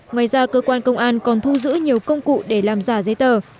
ngoài ra cơ quan công an còn thu giữ nhiều công cụ để làm giả giấy tờ